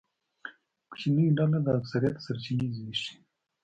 کوچنۍ ډله د اکثریت سرچینې زبېښي.